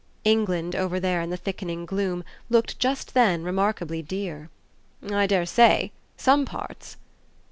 England, over there in the thickening gloom, looked just then remarkably dear. "I dare say; some parts."